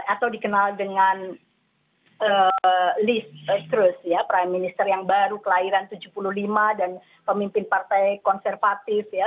atau dikenal dengan liz truss ya prime minister yang baru kelahiran seribu sembilan ratus tujuh puluh lima dan pemimpin partai konservatif ya